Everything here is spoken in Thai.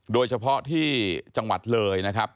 โดยเฉพาะที่จังหวัดเลยนะครับ